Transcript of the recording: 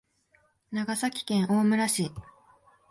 長崎県大村市